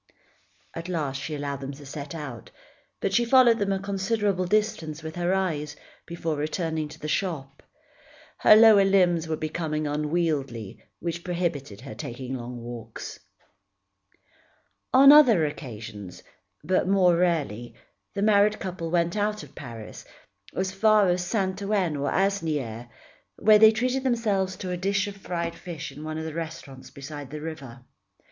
At last she allowed them to set out, but she followed them a considerable distance with her eyes, before returning to the shop. Her lower limbs were becoming unwieldy which prohibited her taking long walks. On other occasions, but more rarely, the married couple went out of Paris, as far as Saint Ouen or Asnières, where they treated themselves to a dish of fried fish in one of the restaurants beside the river.